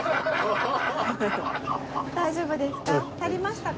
大丈夫ですか？